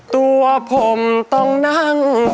ตัวผมต้องนั่ง